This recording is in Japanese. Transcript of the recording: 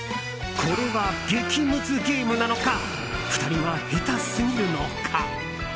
これは激ムズゲームなのか２人が下手すぎるのか。